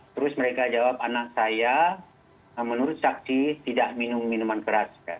terus mereka jawab anak saya menurut saksi tidak minum minuman keras